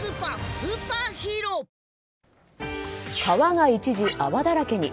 川が一時、泡だらけに。